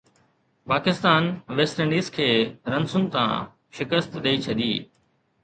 Pakistan West Indies کي رنسن تان شڪست ڏئي ڇڏي